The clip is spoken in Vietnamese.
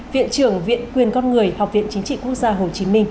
viện trưởng viện quyền con người học viện chính trị quốc gia hồ chí minh